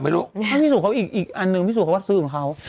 ปิฉุอะไรบ้างมั้ยลูกอีกอันหนึ่งเพิ่งจะซื้อให้เขา